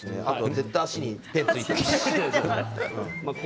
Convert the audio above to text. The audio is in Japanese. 絶対、足にペンついてます。